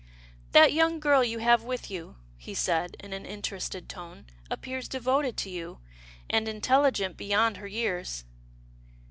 " That young girl you have with you," he said in an interested tone, " appears devoted to you, and intelligent beyond her years."